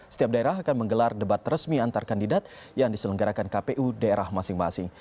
setiap daerah akan menggelar debat resmi antar kandidat yang diselenggarakan kpu daerah masing masing